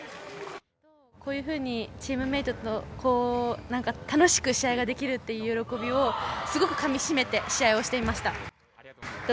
こういうふうにチームメートと楽しく試合ができるっていう喜びをすごくかみしめて試合をしていました。